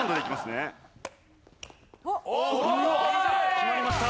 決まりました！